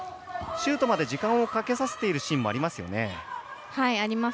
シュートまで時間をかけさせているありますね。